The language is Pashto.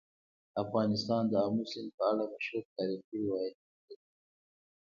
افغانستان د آمو سیند په اړه مشهور تاریخی روایتونه لري.